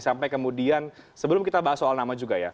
sampai kemudian sebelum kita bahas soal nama juga ya